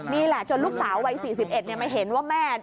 นี่แหละจนลูกสาววัย๔๑มาเห็นว่าแม่